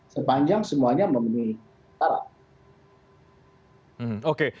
sepanjang semuanya memenuhi tarap